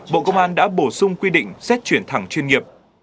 bộ công an đã bổ sung quy định xét chuyển thẳng chuyên nghiệp